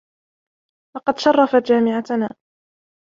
لقد شرّفَت جامعتنا.